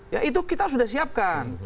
ya itu kita sudah siapkan